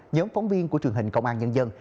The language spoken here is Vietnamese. nhóm phóng viên của truyền hình công an nhân dân